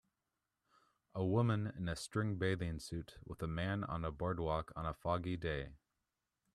A woman in a string bathing suit with a man on a boardwalk on a foggy day.